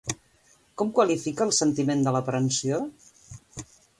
Com qualifica el sentiment de l'aprensió?